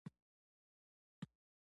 منظور یې په تاریخي بستر کې درک کوو.